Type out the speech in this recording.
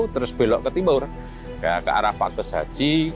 terus belok ke timur ke arah pakus haji